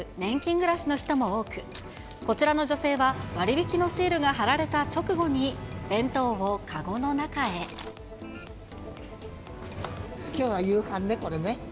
暮らしの人も多く、こちらの女性は、割引のシールが貼られた直後に、きょうの夕飯、これね。